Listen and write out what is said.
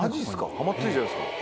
ハマってるじゃないですか。